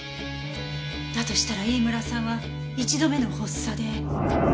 だとしたら飯村さんは一度目の発作で。